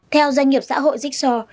theo doanh nghiệp xã hội jigsaw